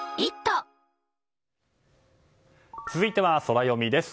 続いては、ソラよみです。